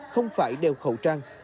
không phải đeo khẩu trang